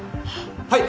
はい！